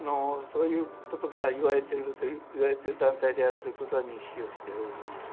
そういうことが言われている団体であるということは認識をしておりました。